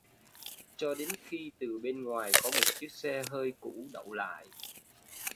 Cho đến khi từ bên ngoài có một chiếc xe hơi cũ đậu lại